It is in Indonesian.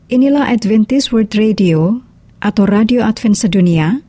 inilah adventist world radio atau radio advent sedunia